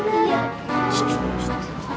tuh apa sih